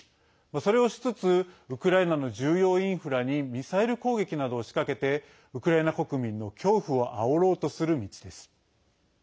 それをしつつウクライナの重要インフラにミサイル攻撃などを仕掛けてウクライナ国民の恐怖をあおろうとする３つです。